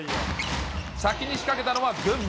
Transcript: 先に仕掛けたのは群馬。